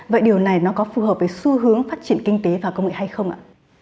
vậy điều này nó có phù hợp với xu hướng phát triển kinh tế và công nghệ hay không ạ